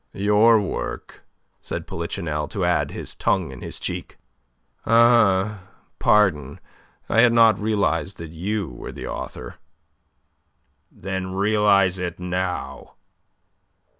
"Your work?" said Polichinelle, to add with his tongue in his cheek: "Ah, pardon. I had not realized that you were the author." "Then realize it now."